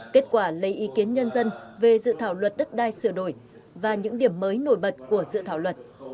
kết quả lấy ý kiến nhân dân về dự thảo luật đất đai sửa đổi và những điểm mới nổi bật của dự thảo luật